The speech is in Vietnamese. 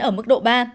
ở mức độ ba